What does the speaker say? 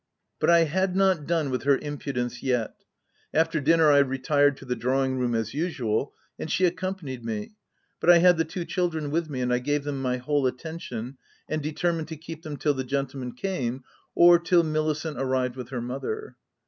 But I had not done with her impudence yet :— aiter dinner, I retired to the drawing room, as usual, and she accompanied me, but I had the two children with me, and I gave them my whole attention, and determined to keep them till the gentlemen came, or till Mili cent arrived with her mother.